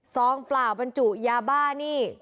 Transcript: เปล่าบรรจุยาบ้านี่